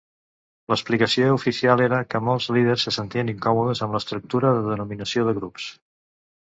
L'explicació oficial era que molts líders se sentien incòmodes amb l'estructura de denominació de grups.